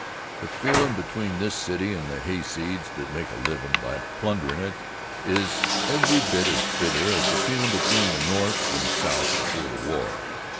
The feelin' between this city and the hayseeds that make a livin' by plunderin' it is every bit as bitter as the feelin' between the North and South before the war.